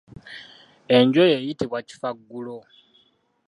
Enju eyo eyitibwa kifaggulo.